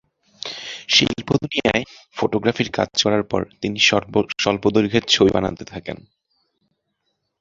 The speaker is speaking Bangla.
শিল্পদুনিয়ায় ফটোগ্রাফির কাজ করার পর তিনি স্বল্প দৈর্ঘ্যের ছবি বানাতে থাকেন।